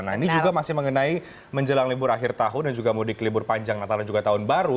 nah ini juga masih mengenai menjelang libur akhir tahun dan juga mudik libur panjang natal dan juga tahun baru